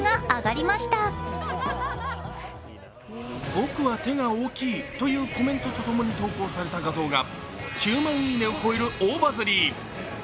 僕は手が大きいというコメントとともに投稿された画像が９万いいねを超える大バズり。